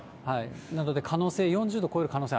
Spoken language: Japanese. なので、４０度を超える可能性